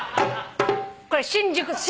これ新宿。